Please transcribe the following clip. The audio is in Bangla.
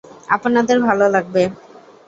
আপনাদের ভালো লাগবে।